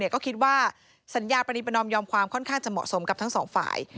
ก็คิดว่าสัญญาปรณีประนอมยอมความค่อนข้างจะเหมาะสมกับทั้งสองฝ่าย